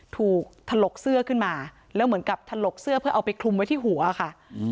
ถูกถลกเสื้อขึ้นมาแล้วเหมือนกับถลกเสื้อเพื่อเอาไปคลุมไว้ที่หัวค่ะ